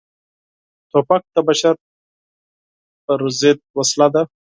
توپک د بشر پر ضد وسله ده.